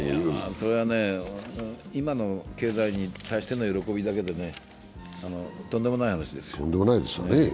それは今の経済に対する喜びだけでねとんでもない話ですよ。